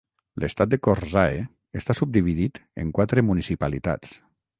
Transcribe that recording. L'estat de Kosrae està subdividit en quatre municipalitats.